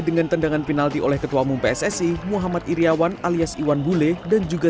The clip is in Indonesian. dengan tendangan penalti oleh ketua umum pssi muhammad iryawan alias iwan bule dan juga